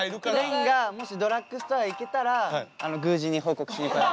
廉がもしドラッグストア行けたら宮司に報告しに来よ。